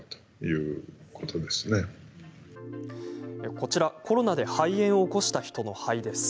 こちら、コロナで肺炎を起こした人の肺です。